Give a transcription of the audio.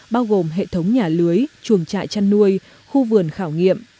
bao gồm hệ thống nhà lưới chuồng trại chăn nuôi khu vườn khảo nghiệm